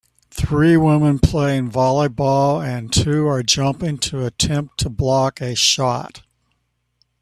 Three women playing volleyball and two are jumping to attempt to block a shot.